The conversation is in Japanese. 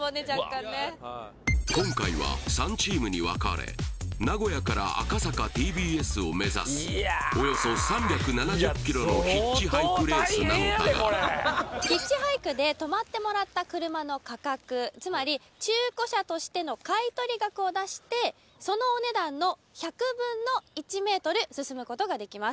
今回は３チームに分かれ名古屋から赤坂ＴＢＳを目指すおよそ３７０ｋｍのヒッチハイクレースなのだがヒッチハイクでとまってもらった車の価格つまり中古車としての買取額を出してそのお値段の１００分の１ｍ進むことができます